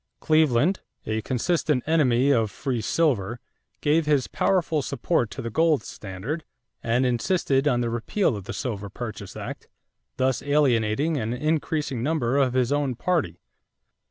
Cleveland, a consistent enemy of free silver, gave his powerful support to the gold standard and insisted on the repeal of the Silver Purchase Act, thus alienating an increasing number of his own party.